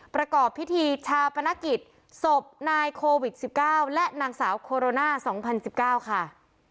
ประกอบพิธีชาปนกิจศพนายโควิด๑๙และนางสาวโคโรนา๒๐๑๙ค่ะ